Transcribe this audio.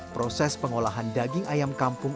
proses pengolahan daging ayam kampung